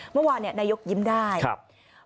เมื่อวานนายกยิ้มได้ครับ